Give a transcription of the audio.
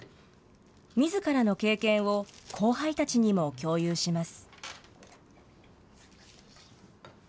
みずからの経験を、後輩たちにも共有します。